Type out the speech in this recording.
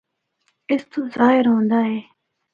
اس تو ظاہر ہوندا اے۔